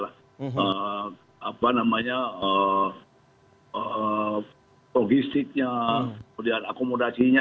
apa namanya logistiknya akomodasinya